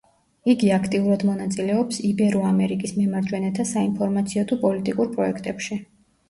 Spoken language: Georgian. იგი აქტიურად მონაწილეობს იბერო-ამერიკის მემარჯვენეთა საინფორმაციო თუ პოლიტიკურ პროექტებში.